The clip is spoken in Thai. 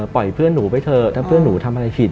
เพื่อนหนูไปเถอะถ้าเพื่อนหนูทำอะไรผิด